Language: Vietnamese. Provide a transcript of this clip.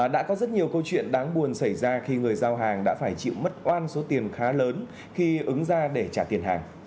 đã có rất nhiều câu chuyện đáng buồn xảy ra khi người giao hàng đã phải chịu mất oan số tiền khá lớn khi ứng ra để trả tiền hàng